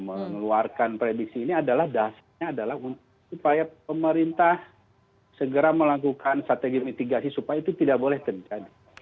mengeluarkan prediksi ini adalah dasarnya adalah supaya pemerintah segera melakukan strategi mitigasi supaya itu tidak boleh terjadi